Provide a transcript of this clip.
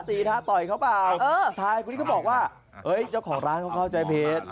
เออเออใช่คุณนี่เขาบอกว่าเจ้าของร้านเขาเข้าใจผิด